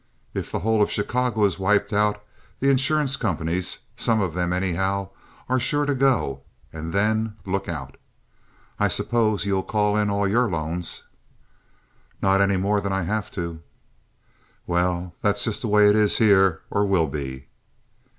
If the whole of Chicago is wiped out, the insurance companies—some of them, anyhow—are sure to go, and then look out. I suppose you'll call in all your loans?" "Not any more than I have to." "Well, that's just the way it is here—or will be."